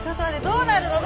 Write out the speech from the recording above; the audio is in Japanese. どうなるの？